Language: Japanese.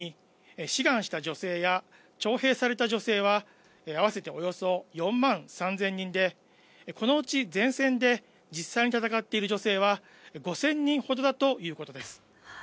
ウクライナ国防省によりますと、イワネンコさんのように志願した女性や徴兵された女性は、合わせておよそ４万３０００人で、このうち前線で実際に戦っている女性は５０００人ほどだということです。